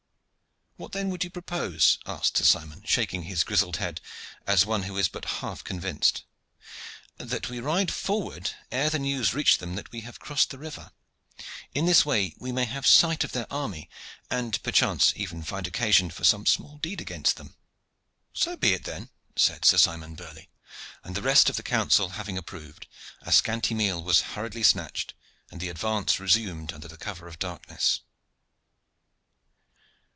"What then would you propose?" asked Sir Simon, shaking his grizzled head as one who is but half convinced. "That we ride forward ere the news reach them that we have crossed the river. In this way we may have sight of their army, and perchance even find occasion for some small deed against them." "So be it, then," said Sir Simon Burley; and the rest of the council having approved, a scanty meal was hurriedly snatched, and the advance resumed under the cover of the darkness.